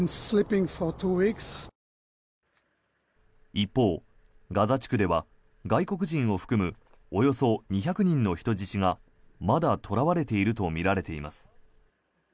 一方、ガザ地区では外国人を含むおよそ２００人の人質がまだ捕らわれているとみられています。